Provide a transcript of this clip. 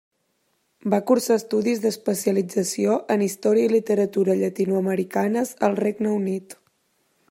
Va cursar estudis d'especialització en Història i Literatura Llatinoamericanes al Regne Unit.